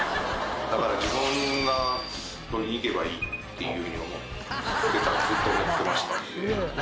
だから自分が捕りにいけばいいっていうふうにずっと思ってました。